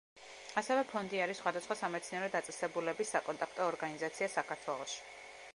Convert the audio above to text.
ასევე, ფონდი არის სხვადასხვა სამეცნიერო დაწესებულების საკონტაქტო ორგანიზაცია საქართველოში.